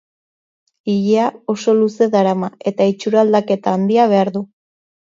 Ilea oso luze darama, eta itxuraldaketa handia behar du.